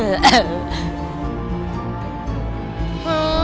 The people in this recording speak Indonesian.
wah pak rt